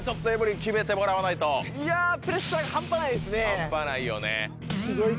半端ないよね。